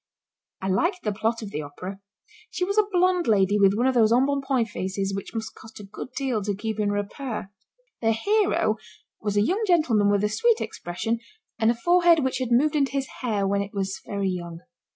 I liked the plot of the Opera. She was a blonde lady with one of those embonpoint faces which must cost a good deal to keep in repair. The hero was a young gentleman with a sweet expression and a forehead which had moved into his hair when it was very young.